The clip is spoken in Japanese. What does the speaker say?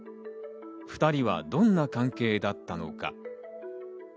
２人はどんな関係だったのか？